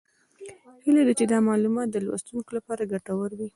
هیله ده چې دا معلومات د لوستونکو لپاره ګټور وي